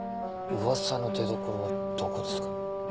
ウワサの出どころはどこですか？